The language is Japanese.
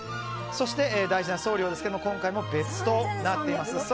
そして、大事な送料ですが今回も別となっています。